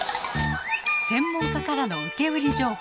専門家からの受け売り情報。